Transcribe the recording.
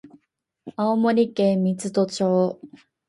青森県三戸町